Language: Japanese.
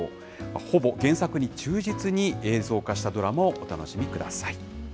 ほぼ原作に忠実に映像化したドラマをお楽しみください。